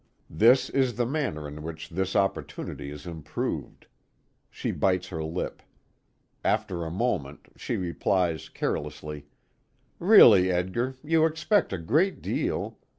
This is the manner in which this opportunity is improved. She bites her lip. After a moment she replies carelessly: "Really, Edgar, you expect a great deal.